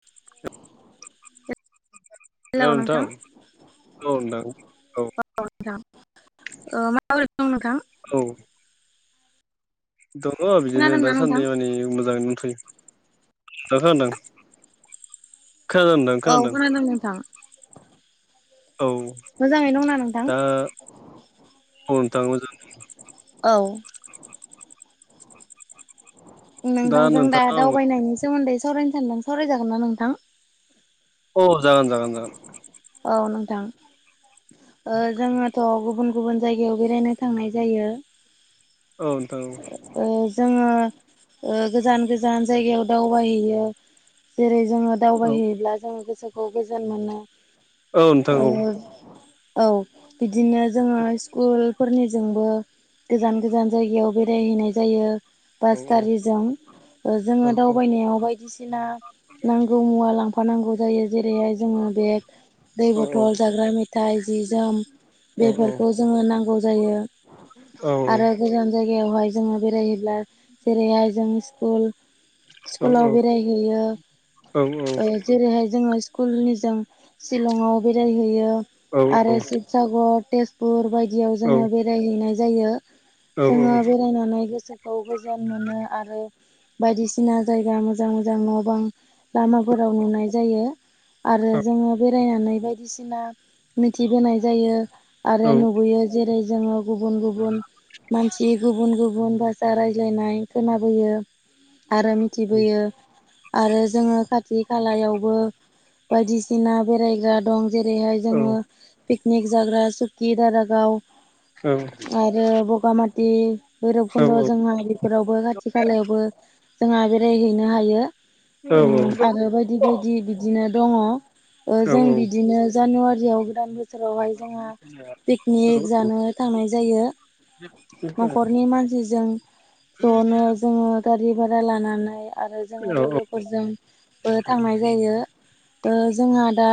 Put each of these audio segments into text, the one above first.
[inaudible] हेल' नोंथां औ नोंथां औ नोंथां ओ माबोरै दं नोंथां? औ दङ बिदिनो खोनादोंना नोंथां दासान्दै माने मोजाङैनो दंथयो। दा खोनादों? खोनादो नोंथां। औ खोनादों नोंथां। औ मोजाङै दंना नोंथां? दा औ नोंथां मोजां औ नोंथांजों दा नोंथांनाव आङो दावबायनायनि सोमोन्दै सावरायनो सानदों सावरायजागोन ना नोंथां? अ जागोन जागोन जागोन। औ नोंथां ओ जोङोथ' गुबुन गुबुन जायगायाव बेरायनो थांनाय जायो। औ नोंथां औ। ओ जोङो ओ गोजान गोजान जायगायाव दावबायहैयो जेरै जोङो औ दावबायहैयोब्ला जोङो गोसोखौ गोजोन मोनो औ नोंथां ओ औ औ बिदिनो जोङो स्कुलफोरनिजोंबो गोजान गोजान जायगायाव बेरायहैनाय जायो बास गारिजों। ओ जोङो औ दावबायनायाव बायदिसिना नांगौ मुवा लांफा फानांगौ जायो जेरैहाय जोङो बेग दै औ बथल जाग्रा मेथाइ जि जोम औ बेफोरखौ जोङो नांगौ जायो। आरो गोजान जायगायाव हाय जों बेरायोब्ला जेरैहाय जों स्कुल स्कुलाव बेरायहैयो ओ जेरैहाय जोङो स्कुल निजों शिलंआव बेरायहैयो आरो जि सागर तेजपुर बायदियाव जोङो बेरायहैनाय जायो। जोङो बेरायनानै गोसोखौ गोजोन मोनो आरो बायदिसिना जायगा मोजां मोजां न' बां लामाफोराव नुनाय जायो। आरो जोङो बेरायनानै बायदिसिना मिथिबोनाय जायो आरो नुबोयो। जेरै जोङो गुबुन गुबुन मानसि गुबुन गुबुन बा जा रायज्लायनाय खोनाबोयो आरो मिथिबोयो आरो जोङो खाथ थि खालायावबो बायदिसिना बेरायग्रा दं जेरैहाय जोङो पिकनिक जाग्रा सुकि दारागाव आरो बगामाति भैरबखुन्द' जोंहा बेफोरावबो खाथि खालायावबो जोंहा बेरायहैनो हायो। उम आरो बायदि बायदि बिदिनो दङ। ओ जों बिदिनो जानुवारियाव गोदान बोसोरावहाय जोंहा पिकनिक जानो थांनाय जायो न'खरनि मानसिजों ज'नो जोङो गारि भारा लानानै आरो औ जोङो औ लोगोफोरजोंबो थांनाय जायो। ओ जोंहा दा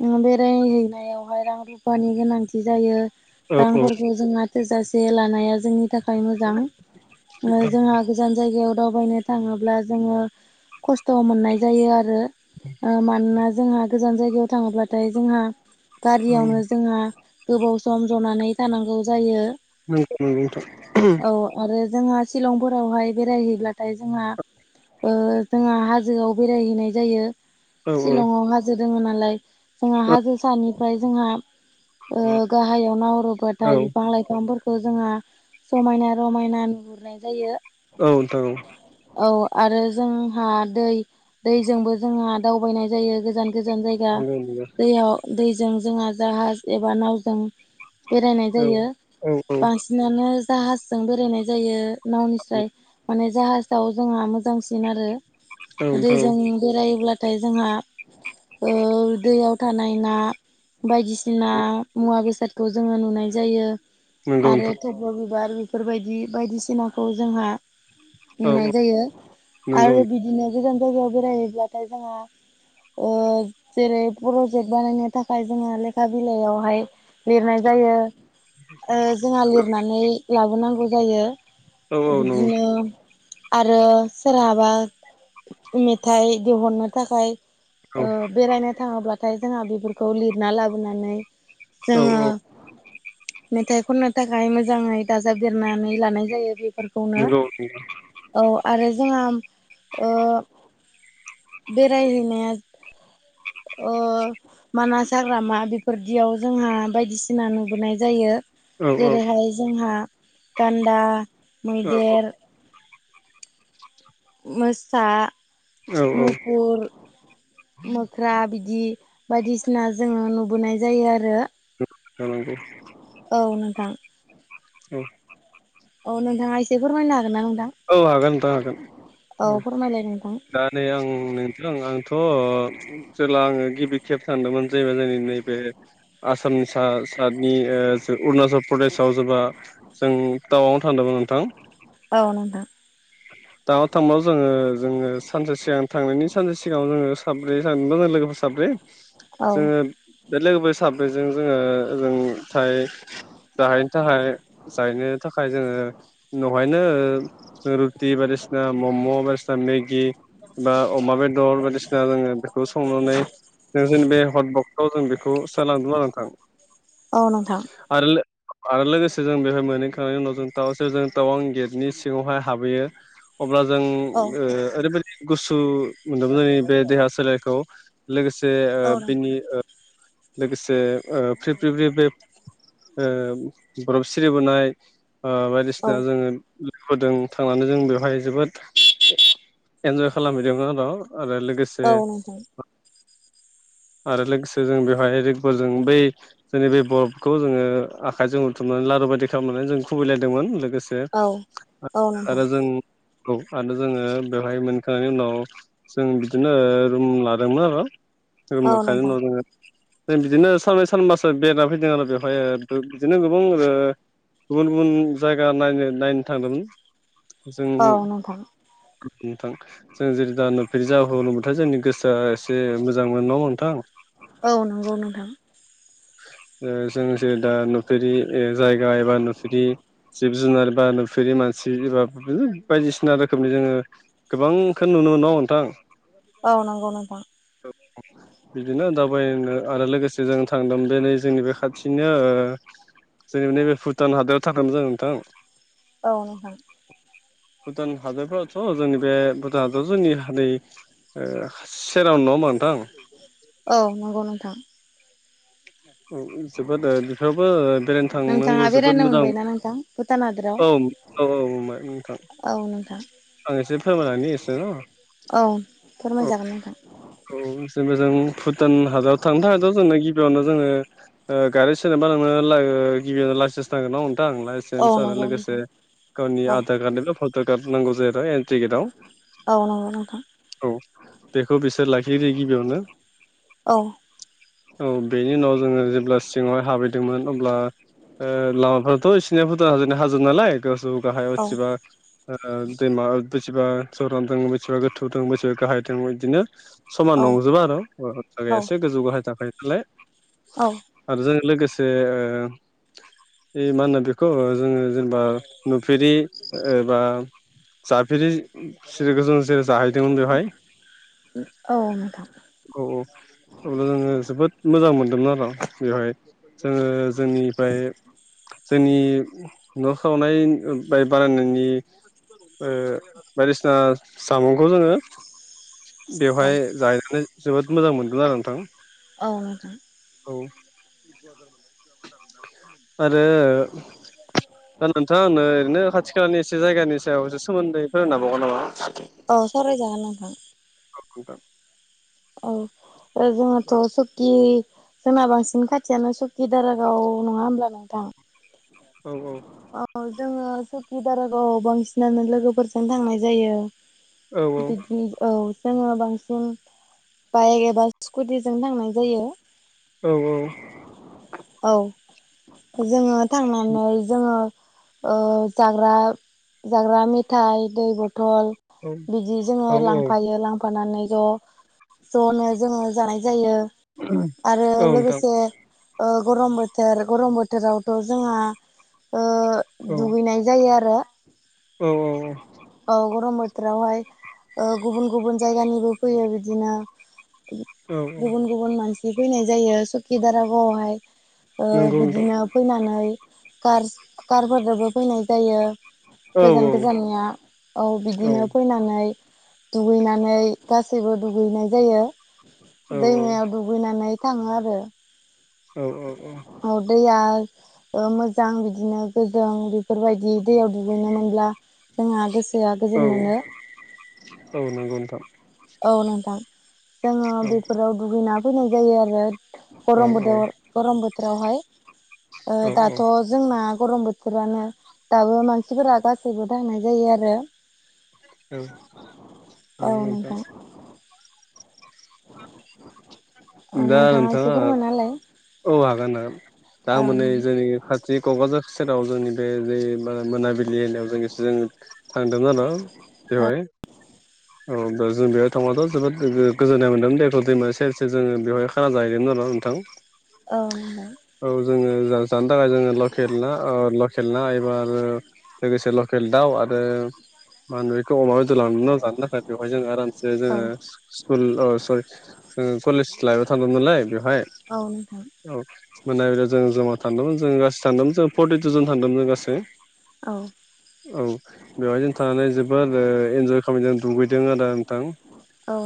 उम बेरायहैनायावहाय रां रुफानि गोनांथि जायो। औ औ रांफोरखौ जोंहा थोजासे लानाया जोंनि थाखाय मोजां ओ नंगौ जोंहा गोजान जायगायाव दावबायनो थाङोब्ला जोङो खस्थ' मोननाय जायो आरो। ओ मानोना जोंहा गोजान जायगायाव थाङोब्लाथाय जोंहा गारियावनो जोंहा गोबाव सम जनानै थानांगौ जायो। [unintelligible] नोंगौ नोंथां। औ आरो जोंहा शिलंफोरावहाय बेरायहैब्लाथाय जोंहा ओ जोंहा हाजोआव बेरायहैनाय जायो। औ औ शिलंआव हाजो दोङो नालाय जोंहा औ हाजो सानिफ्राय जोंहा ओ गाहायाव औ नाहरोबाथाय बिफां लाइफांफोर खौ जोंहा समायना रमायना नुहुरनाय जायो। औ नोंथां औ। औ आरो जोंहा दै दैजोंबो जोंहा दावबायनाय जायो गोजान -गोजान जायगा दैयाव दैजों जोंहा जाहाज एबा नावजों बेरायनाय जायो औ बांसिन नानो जाहाजजों बेरायनाय जायो नावनिस्राय माने जाहाजाव जोंहा मोजांसिन आरो दैजों बेरायोब्लाथाय जोंहा दैयाव थानाय ना बायदिसिना मुवा बेसादखौ जोङो नुनाय जायो। नंगौ नंगौ आरो थब्ल' बिबार बेफोरबायदि बायदिसिनाखौ जोंहा औ नोंथां औ नंगौ नोंथां औ नुनाय जायो नंगौ आरो बिदिनो गोजान जायगायाव बेरायहैब्लाथाय जोंहा जेरै प्रजेक्ट बानायनो थाखाय जोङो लेखा बिलाइयावहाय लिरनाय जायो। जोंहा लिरनानै लाबोनांगौ जायो औ औ नंगौ औ नंगौ औ बिदिनो आरो सोरहाबा मेथाइ दिहुननो थाखाय औ बेरायनो थाङोब्लाथाय जोंहा बेफोरखौ लिरना लाबोनानै औ औ जोङो मेथाइ खननो थाखाय मोजाङै दाजाबदेरनानै लानाय जायो। बे फोरखौनो औ आरो जोंहा ओ बेरायहैनाया अ मानास हाग्रामा बेफोरदियाव जोंहा बायदिसिना नुबोनाय जायो। जेरैहाय जोंहा गान्दा, मैदेर मोसा, मुफुर मोख्रा बिदि बायदिसिना जोङो नुबोनाय जायो आरो। खालामनांगौ [unintelligible] औ नोंथां औ औ नोंथाङा एसे फोरमायनो हागोना नोंथां? औ हागोन नोंथां हागोन औ फोरमायलाय नोंथां दा नै आं नोंथां आंथ' ओ जेला आङो गिबि खेब सानदोंमोन जेब जोंनि नैबे आसामनि साइडनि अरुणाचल प्रदेशआव जेब्ला जों तावां आव थांदोंमोन नोंथां औ नोंथां टावां थांबाबो जोङो जोङो सानसे सिगां थांनायनि सानसे सिगाङाव जोङो साब थांदों लोगोफोर साब्रे औ जोङो बे लोगोफोर साब्रैजों जोङो ओजों थाय जाहाय [unintelligible] थाखाय जायनो थाखाय जोङो उनावहायनो टि बायदिसिना मम' बायदिसिना मेगि बा अमा बेदर बायदिसिना जोङो बे खौ संनानै नों जों बे हट बक्सआव जों बेखौ सोनालांदोंमोन नोंथां। औ नोंथां आरो आरो लोगोसे जों बेवहाय मोनहैखांनायनि उनाव जों टाउन सेरजों टावां गेटनि सिङावहाय हाबहैयो। अब्ला जों औ ओरैबायदि गुसु मोनदोंमोन जोंनि बे देहा सोलेरखौ लोगोसे औ नोंथां बिनि लोगोसे ओ फ्रि, फ्रि, फ्रि बे बरफ सिरिबोनाय औ बायदिसिना जोङो लोगोफोरदों थांनानै जों बेवहाय जोबोद इन्जय खालामहैदोंमोन बेनि उनाव आरो लोगोसे औ नोंथां आरो लोगोसे जों बेवहाय रेगल जों बै जोंनि बे बरफखौ जोङो आखाइजों हुथुमनानै लारु बायदि खालामनानै जों खुबैलायदोंमोन। लोगोसे औ औ नोंथां आरो जों औ आरो जोङो बेवहाय मोनखांनायनि उनाव जों बिदिनो रुम लादोंमोन आरो। औ नोंथां [unintelligible] जों बिदिनो सानबै सानबासो बेरायना फैदों आरो बेवहाय बिदिनो गोबां गुबुन गुबुन जायगा नायनो नायनो थांदोंमोन औ जों नोंथां नोंथां जों जेरै दा नुफेरि जबाथाय जोंनि गोसोआ एसे मोजां मोजां मोन न' नोंथां औ नंगौ नोंथां जों जे दा नुफेरि जायगा एबा नुफेरि जिब जुनार बा नुफेरि मानसि एबा बिनो बायदिसिना रोखोमनि जोङो गोबांखो नुनो मोनोनाव नोंथां औ नंगौ नोंथा बिदिनो दावाबबायनो आरो लोगोसे जों थांदों बे नै जोंनि बे खाथिनो जोंनिब नैबे भुटान हादोराव थांगोन जों नोंथां औ नोंथां भुटान हादरफोराथ' जोंनि बे भुटान हादराव जोंनि हादै खासे राव नङाहोनबा नोंथां औ नंगौ नोंथां औ जोबोद बेफोरावबो बेरायनो थांनांगौ जोबोद मोजां भुतान हादोराव औ औ औ नोंथां औ नोंथां आं एसे फोरमलानै होसैना औ फोरमायजागोन नोंथां औ जेनबा जों भुटान हाजाराव थांनो थाखाय द' जोंना गिबियावनो जोङो गारि सोरनोबा ला [unintelligible] गिबियावनो लाइसेन्स थांगोन ना मोनथां आं लाइसेन्स औ आरो नंगौ लोगोसे नोंथां गावनि औ आधार कार्डनिबो भट' कार्ड नांगौ जाहैबाय औ नं औ बेखौ बिसोर लाखियोनो गिबियावनो औ औ बेनि उनाव जोङो जेब्ला सिङावहाय हाबैदोंमोन अब्ला लामाफ्राथ' इसिोरनिया भुदान हाजो हाजो नालाय गोजौ गाहाय औ उथिबा दैमा बेसेबा सरान दा बेसेबा गोथौ दं बेसेबा गाहाय दा बिदिनो समान औ नंजोबा आरो औ थाखाय एसे गोजौ गाहाय थाखायो नालाय औ आरो जों लोगोसे मा होनो बेखौ जोङो जेनेबा नुफेरि एबा जाफेरि गोजा जेरै जाहै औ मेथाम औ औ अब्ला जोङो जोबोद मोजां मोनदोंमोन आरो बेवहाय जोङो जोंनिफ्राय जोंनि न' सावनाय बानायनायनि बायदिसिना सामुंखौ जोङो औ बेवहाय जायनानै जोबोद मोजां मोनगोन आरो नोंथां औ औ आरो दा नोंथाङा आंनो ओरैनो खाथि खालानि एसे जायगानि सायाव इसे सोमोन्दै फोरोंनो हाबावगोन नामा? अ सावराय जागोन नोंथां खक औ जोंहाथ' सकि जोंना बांसिन खाथियानो सकिदारगाव नङा होमब्ला नोंथां औ औ औ जोङो सुकि दारागावआव बांसिनानो लोगोफोरजों थांनाय जायो। औ बिदिनो औ जोङो बांसिन बाइक एबा स्कुटिजों थांनाय जायो औ औ औ जोङो जोङो थांनानै जाग्रा जाग्रा मेथाइ दै बथल बिदि जोङो औ लांफायो लां माबानानै ज' ज'नो जोङो जानाय जायो। आरो औ नोंथां लोगोसे गरम बोथोर गरम बोथोरावथ' जोंहा ओ दुगैनाय जायो आरो औ औ औ औ गरम बोथोरावहाय गुबुन गुबुन जायगानिबो फैयो बिदिनो औ औ गुबुन गुबुन मानसि फैनाय जायो सखि दारागावआवहाय नंगौ नोंथां बिदिनो फैनानै कारफोरदोबो फैनाय जायो औ गोजान गोजाननिया औ औ बिदिनो फैनानै दुगैनानै गासैबो दुगैनाय जायो औ दैमायाव दुग लुगैनानै थाङो आरो औ औ औ [unintelligible] मोजां बिदिनो गोजों बेफोरबायदि दैयाव दुगैनो मोनब्ला जोंहा गोसोआ औ गोजोन मोनो औ नंगौ नोंथां औ नोंथां जोङो औ बेफोराव दुगैना फैनाय जायो आरो औ गरम बोदोर गरम बोथोरावहाय औ दाथ' जोंना गरम बोथोरानो दाबो मानसिफोरा गासैबो थांनाय जायो आरो औ नोंथां [unintelligible] [inaudible] दा एसे नोंथाङा फोरमायना होलाय औ हागोन ना औ दामाने नोंथां जोंनि खाथि जि क'क्राझार सेराव जोंनि बे जे मोनाबिलि ऐरियाव जों एसे जों थांदों जानो बेहाय औ जों बेयाव थाङाथ' जोबोद गोजोन्नाय मोनदों दैखौ दैमा सेर जोङो बेवहाय खाना जाहैदोंमोन आरो' नोंथां औ औ जोङो जानो थाखाय जोङो लकेल ना लकेल ना एबा आरो लोगोसे लकेल दाउ आरो मा बेखौ अमा बेदर [unintelligible] जानो थाखाय बेवहाय जोङो आरामसे औ जोङो स्कुल सरि जोङो कलेज लाइफआव थांगौमोन नालाय बेवहाय औ नोंथां औ मोना बे जों जमा थांदोंमोन जों गासि थानदोंमोन जों फर्टि थजन थांदोंमोन जों गासै औ औ बेवहायजों थानानै जोबोद इन्जय खालामैदों दुगैदों आरो [unintelligible]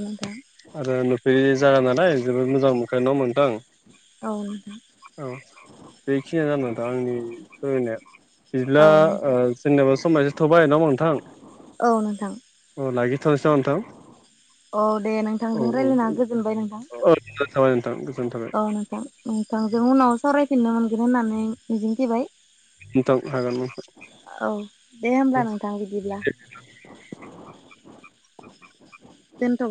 नोंथां आरो नुफेरि जागा नालाय जोबोद मोजां [unintelligible] औ दे औ बेखिनियानो जा नोथां आंनि फोरमायनाया बिदिब्ला औ नों जोंनाबो समायसो थबाय नङा होमबा नोंथां औ नोंथां लाखि थनसै नमा नोंथां औ दे नोंथांजों रायज्लायना गोजोनबाय नोंथां [unintelligible] गोजोन्थों औ नोंथां नोंथांजों उनाव सावरायफिननो मोनगोन होननानै मिजिंथििबाय नोंथां हागोन नोंथां औ दे हब्ला नोंथां बिदिब्ला दोनथ'